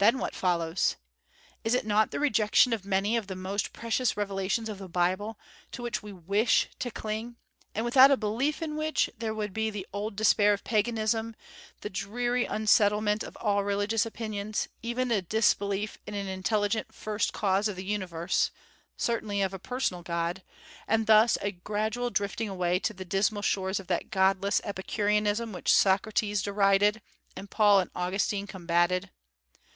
Then what follows? Is it not the rejection of many of the most precious revelations of the Bible, to which we wish to cling, and without a belief in which there would be the old despair of Paganism, the dreary unsettlement of all religious opinions, even a disbelief in an intelligent First Cause of the universe, certainly of a personal God, and thus a gradual drifting away to the dismal shores of that godless Epicureanism which Socrates derided, and Paul and Augustine combated?